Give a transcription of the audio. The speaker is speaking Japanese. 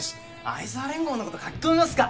愛沢連合のこと書き込みますか。